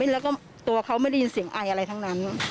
แล้วก็ตัวเขาไม่ได้ยินเสียงไออะไรทั้งนั้น